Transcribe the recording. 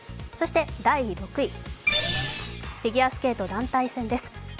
そして第６位、フィギュアスケート団体戦です。